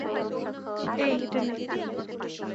এই, এটা নে।